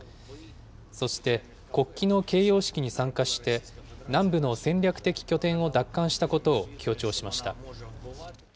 そして、国旗の掲揚式に参加して、南部の戦略的拠点を奪還したことを強調しました。